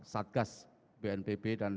satgas bnpb dan